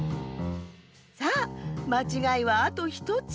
さあまちがいはあと１つ。